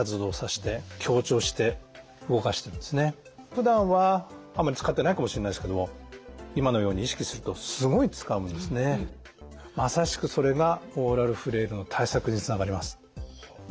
ふだんはあんまり使ってないかもしれないですけども今のようにまさしくそれがオーラルフレイルの対策につながります。